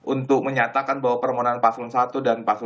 untuk menyatakan bahwa peremonaan pasron satu dan pasron tiga